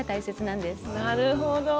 なるほど。